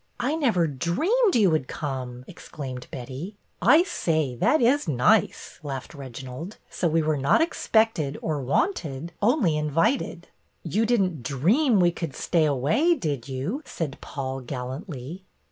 '' I never dreamed you would come," exclaimed Betty. '' I say, that is nice !" laughed Reginald. So we were not expected or wanted, only invited !" You did n't ' dream ' we could stay away, did you?" said Paul, gallantly.